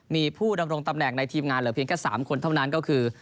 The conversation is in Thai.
มีผู้ดำรงตำแหน่งในทีมงานเหลือเพียงแค่๓คนเท่านั้นก็คือ